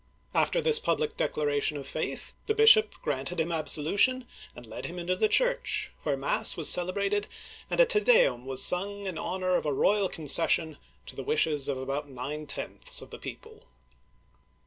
" After this public declaration of faith, the bishop granted him absolution, and led him into the church, where mass was celebrated, and a Te Deum was siing in honor of a royal concession to the wishes of about nine tenths of the people.